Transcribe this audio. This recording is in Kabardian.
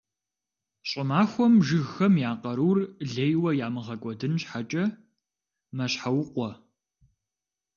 Щӏымахуэм жыгхэм я къарур лейуэ ямыгъэкӏуэдын щхьэкӏэ «мэщхьэукъуэ».